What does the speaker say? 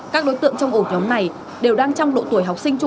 các đối tượng trong ổ nhóm này đều đang trong độ tuổi học sinh trung